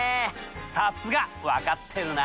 さすが分かってるな。